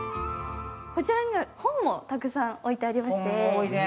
こちらには本もたくさん置いてありまして。